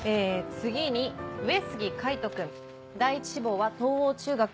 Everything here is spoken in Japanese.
次に上杉海斗君第一志望は東央中学。